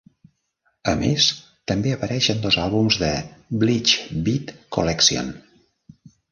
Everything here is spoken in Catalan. A més, també apareix en dos àlbums de "Bleach Beat Collection".